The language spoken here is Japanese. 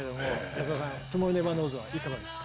安田さん「トゥモロー・ネバー・ノウズ」はいかがですか？